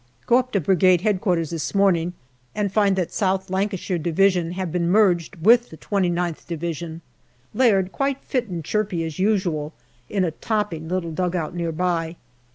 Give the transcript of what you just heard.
Go up to Brigade H.Q. this morning, and find that South Lancashire Division have been merged with the 2Qth Division. Laird, quite fit and chirpy as usual, in a topping little dugout near by.